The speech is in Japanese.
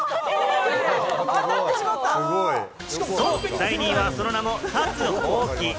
第２位は、その名も、立つほうき。